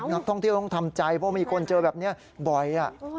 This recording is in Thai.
นักท่องเที่ยวต้องทำใจเพราะมีคนเจอแบบนี้บ่อย